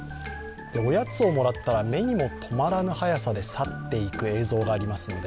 おやつをもらったら目にもとまらぬ速さで去っていく映像があります。